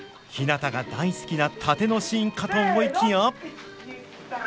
ひなたが大好きな殺陣のシーンかと思いきや。